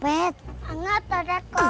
buat apaan belajar naik otopad